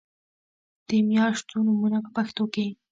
د میاشتو نومونه په پښتو کې